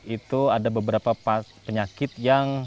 itu ada beberapa penyakit yang